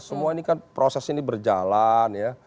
semua ini kan proses ini berjalan ya